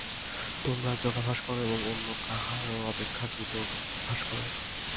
তোমরা যোগাভ্যাস কর এবং অন্য কাহারও অপেক্ষা দ্রুত অভ্যাস কর।